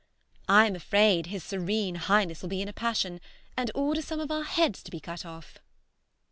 I am afraid his Serene Highness will be in a passion, and order some of our heads to be cut off.